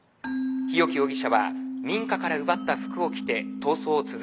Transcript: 日置容疑者は民家から奪った服を着て逃走を続けているもようです」。